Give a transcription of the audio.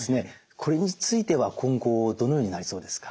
これについては今後どのようになりそうですか？